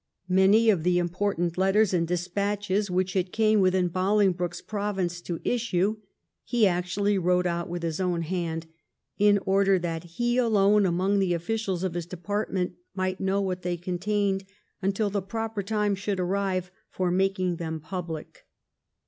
Many of the important letters and despatches which it came within Bolingbroke's province to issue he actually wrote out with his own hand, in order that he alone among the officials of his department might know what they contained until the proper time should arrive for making them pubUc.